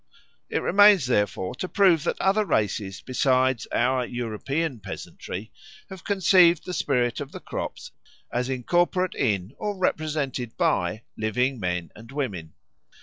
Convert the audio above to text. It remains, therefore, to prove that other races besides our European peasantry have conceived the spirit of the crops as incorporate in or represented by living men and women.